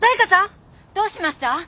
・どうしました？